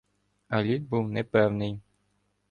А лід був непевний.